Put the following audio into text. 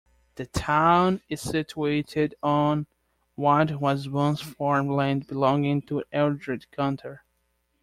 The town is situated on what was once farm land belonging to Elridge Gunter.